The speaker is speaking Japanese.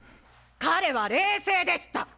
彼は冷静でした！